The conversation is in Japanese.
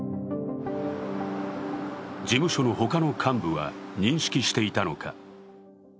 事務所の他の幹部は認識していたのか。